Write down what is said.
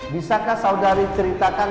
bisakah saudari ceritakan